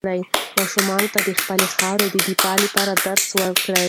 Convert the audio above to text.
ماشومانو ته د خپلې خاورې د دفاع درس ورکړئ.